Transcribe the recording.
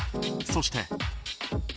そして。